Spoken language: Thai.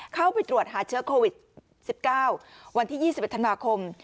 เข้าไปตรวจหาเชื้อโควิด๑๙วันที่๒๑ธันวาคม